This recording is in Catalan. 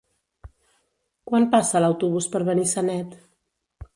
Quan passa l'autobús per Benissanet?